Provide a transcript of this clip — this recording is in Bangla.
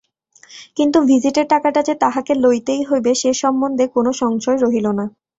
কিন্তু ভিজিটের টাকাটা যে তাহাকে লইতেই হইবে সে সম্বন্ধে কোনো সংশয় রহিল না।